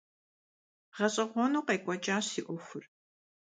ГъэщӀэгъуэну къекӀуэкӀащ си Ӏуэхур.